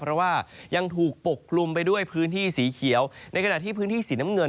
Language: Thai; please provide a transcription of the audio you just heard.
เพราะว่ายังถูกปกคลุมไปด้วยพื้นที่สีเขียวในขณะที่พื้นที่สีน้ำเงิน